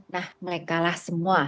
nah mereka lah semua